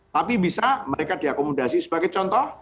tapi bisa mereka diakomodasi sebagai contoh